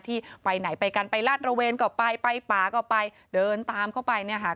ที่ไปไหนไปกันไปลาดระเวนก็ไปไปป่าก็ไปเดินตามเข้าไปเนี่ยค่ะ